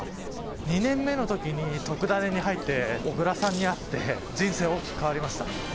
２年目のときに『とくダネ！』に入って小倉さんに会って人生大きく変わりました。